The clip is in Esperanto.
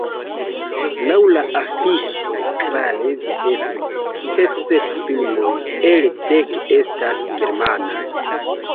Laŭ la afiŝoj klare videblis, ke sep filmoj el dek estas germanaj.